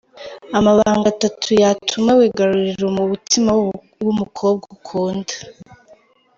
Amabanga atatu yatuma wigarurira umutima w'umukobwa ukunda.